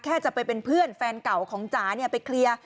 จะไปเป็นเพื่อนแฟนเก่าของจ๋าไปเคลียร์